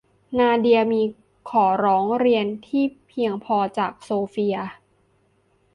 นาเดียมีข้อร้องเรียนที่เพียงพอจากโซเฟีย